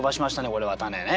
これは種ね。